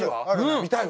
見たいわ。